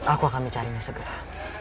aku akan mencari ini segera